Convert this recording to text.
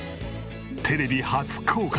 テレビ初公開。